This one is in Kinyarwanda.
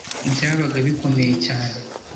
byabaga bikomeye cyane